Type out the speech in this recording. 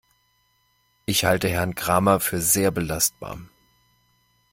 Ich halte Herrn Kramer für sehr belastbar.